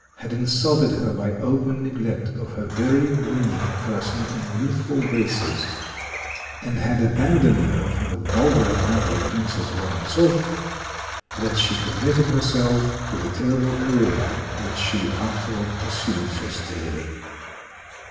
had insulted her by open neglect of her very winning person and youthful graces, and had abandoned her for the vulgar and ugly Princess Woronzoff, that she committed herself to the terrible career which she afterward pursued so steadily.